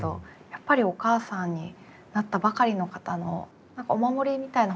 やっぱりお母さんになったばかりの方の何かお守りみたいな本にもなりそうですね。